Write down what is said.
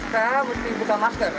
kita mesti buka masker